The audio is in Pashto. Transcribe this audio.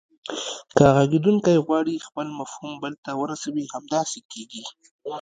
که غږیدونکی غواړي خپل مفهوم بل ته ورسوي همداسې کیږي